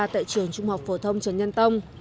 tại trường trung học phổ thông trần nhân tông